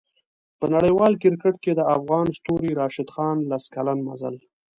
په نړیوال کریکټ کې د افغان ستوري راشد خان لس کلن مزل